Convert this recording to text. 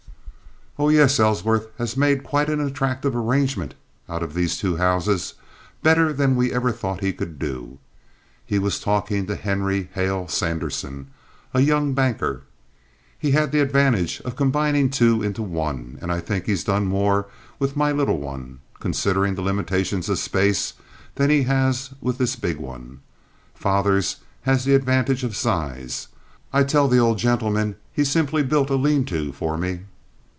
"Oh, yes, Ellsworth had made quite an attractive arrangement out of these two houses—better than we ever thought he could do." He was talking to Henry Hale Sanderson, a young banker. "He had the advantage of combining two into one, and I think he's done more with my little one, considering the limitations of space, than he has with this big one. Father's has the advantage of size. I tell the old gentleman he's simply built a lean to for me."